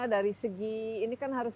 dari segi ini kan harus